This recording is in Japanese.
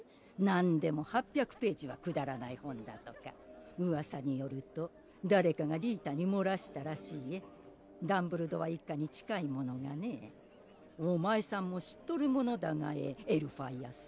何でも８００ページはくだらない本だとか噂によると誰かがリータに漏らしたらしいぇダンブルドア一家に近い者がねお前さんも知っとる者だがぇエルファイアス